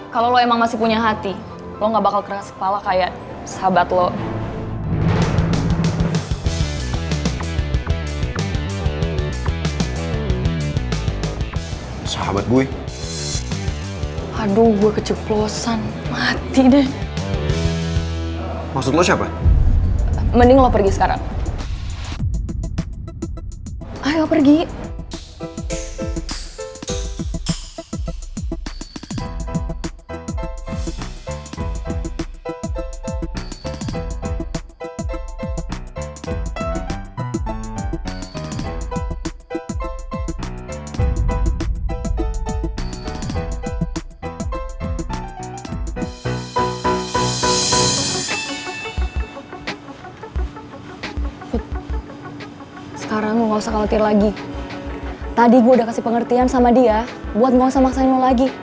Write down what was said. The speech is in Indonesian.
kalau lo emang masih punya hati lo gak bakal keras kepala kayak sahabat lo